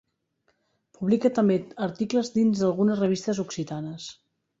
Publica també articles dins algunes revistes occitanes.